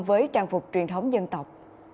với trang phục truyền thống dân tộc